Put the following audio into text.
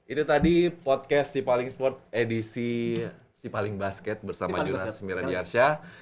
itu tadi podcast si paling sport edisi si paling basket bersama junas mirandi arsya